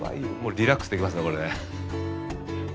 リラックスできますねこれで。